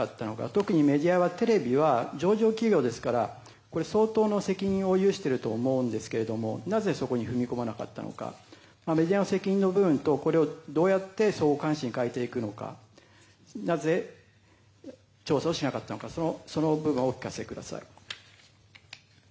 特にメディアは上場企業ですから相当の責任を有していると思うんですがなぜそこに踏み込まなかったのかメディアの責任の部分とこれをどうやって相互監視に変えていくのかなぜ、調査をしなかったのかその部分をお聞かせください。